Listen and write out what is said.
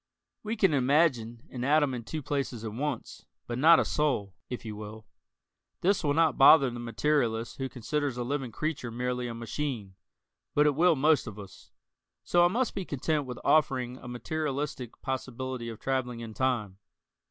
We can imagine an atom in two places at once, but not a soul, if you will. This will not bother the materialist who considers a living creature merely a machine, but it will most of us. So I must be content with offering a materialistic possibility of traveling in time.